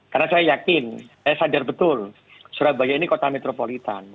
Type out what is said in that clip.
karena saya yakin saya sadar betul surabaya ini kota metropolitan